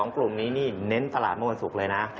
กลุ่มนี้นี่เน้นตลาดเมื่อวันศุกร์เลยนะ